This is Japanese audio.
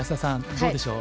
どうでしょう？